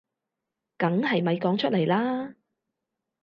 梗係咪講出嚟啦